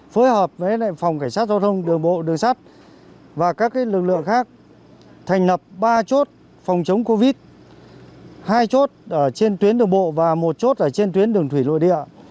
phối hợp với phòng cảnh sát giao thông đường bộ đường sắt và các lực lượng khác thành lập ba chốt phòng chống covid hai chốt trên tuyến đường bộ và một chốt trên tuyến đường thủy nội địa